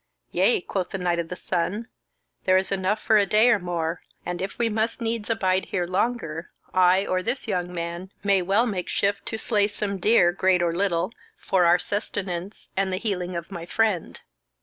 "Yea," quoth the Knight of the Sun; "there is enough for a day or more, and if we must needs abide here longer, I or this young man may well make shift to slay some deer, great or little, for our sustenance and the healing of my friend."